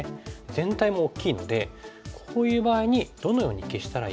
全体も大きいのでこういう場合にどのように消したらいいか。